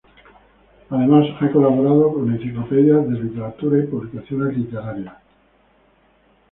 Además, ha colaborado con enciclopedias de literatura y publicaciones literarias.